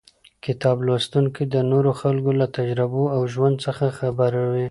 کتاب لوستونکی د نورو خلکو له تجربو او ژوند څخه خبروي.